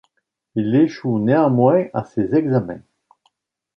Il échoue néanmoins à ses examens.